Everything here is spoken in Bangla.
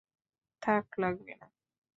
থাক লাগবে না।